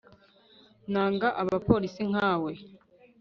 nanga abapolisi nka we